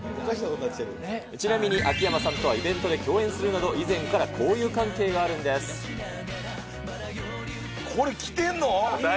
ちなみに秋山さんとはイベントで共演するなど、以前から交友関係これ、着てるの？